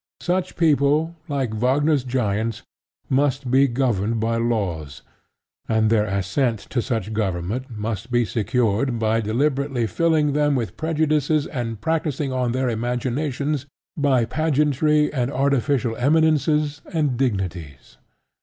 Such people, like Wagner's giants, must be governed by laws; and their assent to such government must be secured by deliberately filling them with prejudices and practicing on their imaginations by pageantry and artificial eminences and dignities.